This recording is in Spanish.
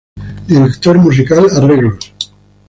Director Musical, Arreglos.